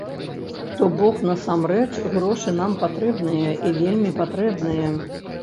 То бок, насамрэч, грошы нам патрэбныя, і вельмі патрэбныя.